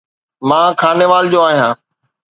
مان خانيوال جو آهيان